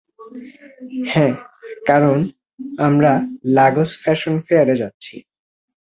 হ্যা, কারন আমরা লাগোস ফ্যাশন ফেয়ারে যাচ্ছি।